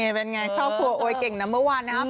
นี่เป็นไงครอบครัวอวยเก่งนัมเบอร์วันนี่ค่ะ